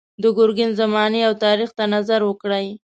د ګرګین زمانې او تاریخ ته نظر وکړئ.